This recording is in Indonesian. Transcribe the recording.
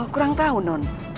kurang tahu non